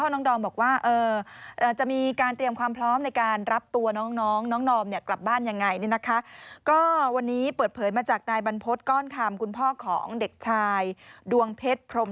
อย่างเป็นทางการหังใจการส่งทีมหมู่ป่าทั้งสิบสามชีวิตกลับมานะคะทีมข่าวค้าวแฮร่สทีวีก็ไปถามคุณพ่อของน้องดอม